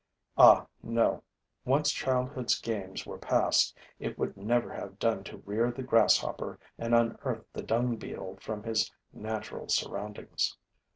Ah, no! Once childhood's games were past, it would never have done to rear the Grasshopper and unearth the Dung beetle from his natural surroundings.